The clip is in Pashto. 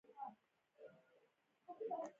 د کارل مارکس او انګلز په اثارو کې مطرح شوې.